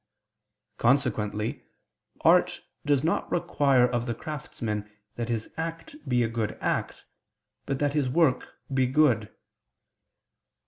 Consequently art does not require of the craftsman that his act be a good act, but that his work be good.